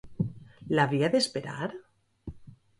L'havia d'esperar?